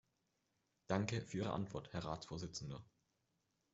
Danke für Ihre Antwort, Herr Ratsvorsitzender.